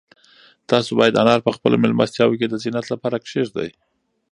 تاسو باید انار په خپلو مېلمستیاوو کې د زینت لپاره کېږدئ.